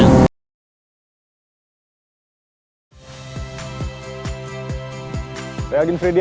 jangan lupa like share dan subscribe